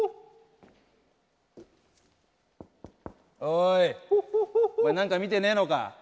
おいお前何か見てねえのか？